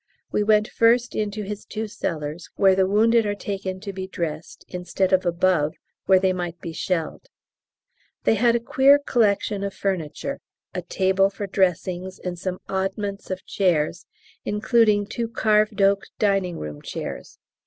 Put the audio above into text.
We went first into his two cellars, where the wounded are taken to be dressed, instead of above, where they might be shelled. They had a queer collection of furniture a table for dressings, and some oddments of chairs, including two carved oak dining room chairs.